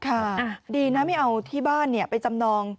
ดีนะไม่เอาที่บ้านไปจำนอง